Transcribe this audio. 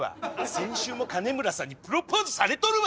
先週も金村さんにプロポーズされとるわ！